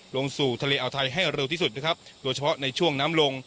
ลงสู่ทะเลอาวไทยให้เร็วที่สุดนะครับโดยเฉพาะในช่วงน้ำลง